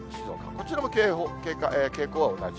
こちらも傾向は同じ。